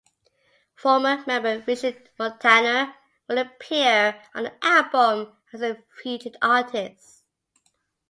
Former member Vinci Montaner will appear on the album as a featured artist.